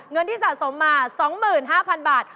เงินที่สะสมมา๒๕๐๐๐บาท